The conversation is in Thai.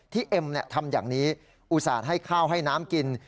เอ็มทำอย่างนี้อุตส่าห์ให้ข้าวให้น้ำกิน